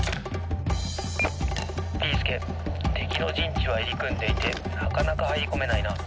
「ビーすけてきのじんちはいりくんでいてなかなかはいりこめないな。